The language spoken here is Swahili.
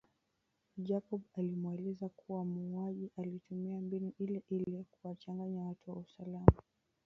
Jacob alimueleza kuwa muuaji alitumia mbinu ile ili kuwachanganya watu wa usalama tu